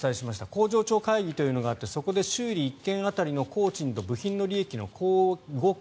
工場長会議というのがあってそこで修理１件当たりの工賃と部品の利益の合計